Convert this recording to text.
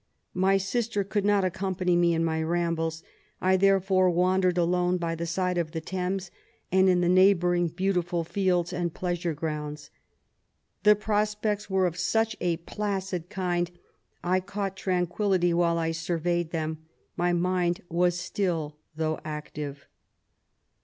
My sister could not accompany me in my rambles ; I there fore wandered alone by the side of the Thames, and in the neighbour ing beautiful fields and pleasure grounds : the prospects were of such a placid kind, I caught tranquillity while I surveyed them ; my mind was stillf though active.